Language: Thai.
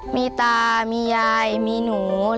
มีตามียายมีหนูแล้วก็